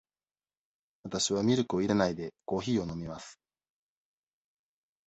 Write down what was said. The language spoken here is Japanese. わたしはミルクを入れないで、コーヒーを飲みます。